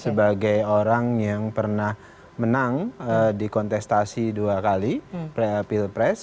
sebagai orang yang pernah menang di kontestasi dua kali pre apil pres